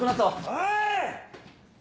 おい！